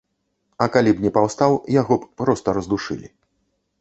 А калі б не паўстаў, яго б проста раздушылі.